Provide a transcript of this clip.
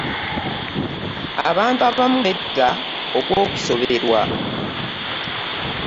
abantu abamu betta okwokusoberwa